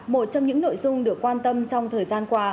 một trong những nội dung được quan tâm trong thời gian qua